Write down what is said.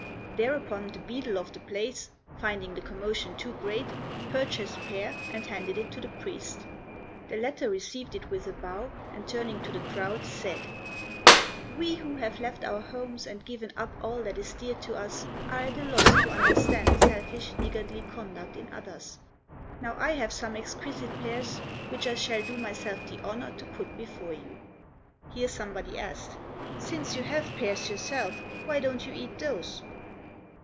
Thereupon the beadle of the place, finding the commotion too great, purchased a pear and handed it to the priest. The latter received it with a bow and turning to the crowd said, "We who have left our homes and given up all that is dear to us are at a loss to understand selfish niggardly conduct in others. Now I have some exquisite pears which I shall do myself the honour to put before you." Here somebody asked, "Since you have pears yourself, why don't you eat those?"